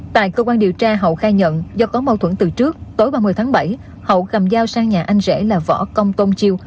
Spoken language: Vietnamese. tại cơ quan điều tra hậu khai nhận do có mâu thuẫn từ trước tối ba mươi tháng bảy hậu cầm dao sang nhà anh rể là võ công tôn chiêu